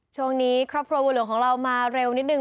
ช่วงนี้ครอบครัวบัวหลวงของเรามาเร็วนิดนึ